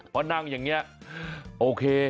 พอนั่งอย่างนี้โอเค